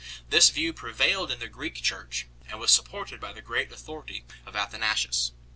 This view prevailed in the Greek Church, and was supported by the great authority of Athanasius 3